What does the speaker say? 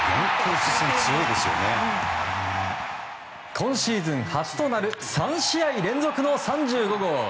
今シーズン初となる３試合連続の３５号。